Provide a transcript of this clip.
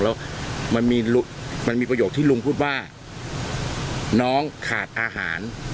แล้วมันมีประโยคที่ลุงพูดว่าน้องขาดอาหาร